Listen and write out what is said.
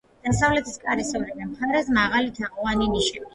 დასავლეთის კარის ორივე მხარეს მაღალი, თაღოვანი ნიშებია.